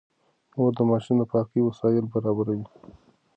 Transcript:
مور د ماشوم د پاکۍ وسايل برابروي.